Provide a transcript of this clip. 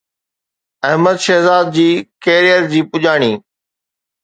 احمد شهزاد جي ڪيريئر جي پڄاڻي